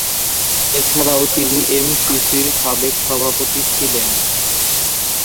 এছাড়াও তিনি এমসিসির সাবেক সভাপতি ছিলেন।